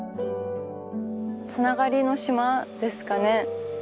つながりの島ですかね